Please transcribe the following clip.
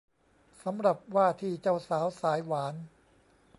สำหรับว่าที่เจ้าสาวสายหวาน